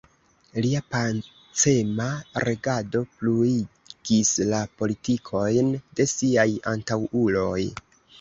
Lia pacema regado pluigis la politikojn de siaj antaŭuloj.